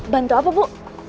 bantu apa bu